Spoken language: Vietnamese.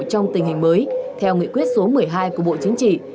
trong tình hình mới theo nghị quyết số một mươi hai của bộ chính trị